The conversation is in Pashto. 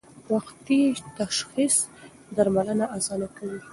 وختي تشخیص درملنه اسانه کوي.